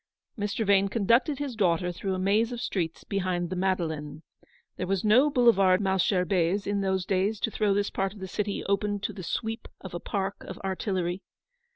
Mr. Vane conducted his daughter through a maze of streets behind the Madeleine. There was no Boulevard Malesherbes in those days, to throw this part of the city open to the sweep of a park of artillery.